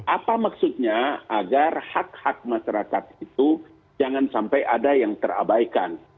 apa maksudnya agar hak hak masyarakat itu jangan sampai ada yang terabaikan